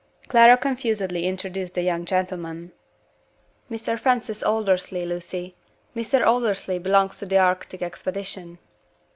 Clara confusedly introduced the young gentleman. "Mr. Francis Aldersley, Lucy. Mr. Aldersley belongs to the Arctic expedition."